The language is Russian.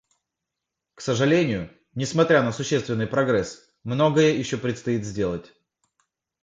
К сожалению, несмотря на существенный прогресс, многое еще предстоит сделать.